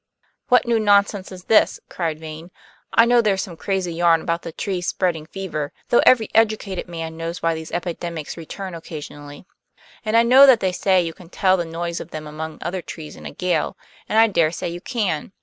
"What new nonsense is this?" cried Vane. "I know there's some crazy yarn about the trees spreading fever, though every educated man knows why these epidemics return occasionally. And I know they say you can tell the noise of them among other trees in a gale, and I dare say you can.